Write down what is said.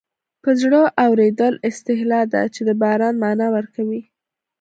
په زړه اورېدل اصطلاح ده چې د باران مانا ورکوي